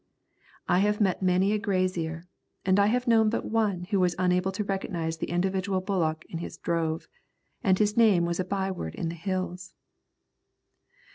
I have met many a grazier, and I have known but one who was unable to recognise the individual bullock in his drove, and his name was a byword in the Hills.